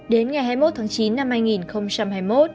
đến ngày hai mươi một tháng chín năm hai nghìn hai mươi một